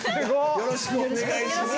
よろしくお願いします。